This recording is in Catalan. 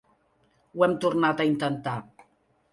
Ho hem tornat a intentar.